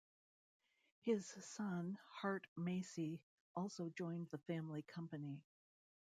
His son Hart Massey also joined the family company.